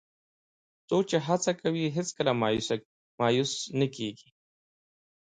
څوک چې هڅه کوي، هیڅکله مایوس نه کېږي.